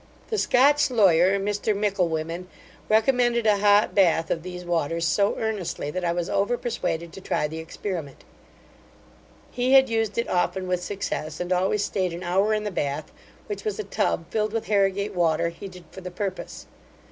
The Scotch lawyer, Mr Micklewhimmen, recommended a hot bath of these waters so earnestly, that I was over persuaded to try the experiment. He had used it often with success and always stayed an hour in the bath, which was a tub filled with Harrigate water, heated for the purpose.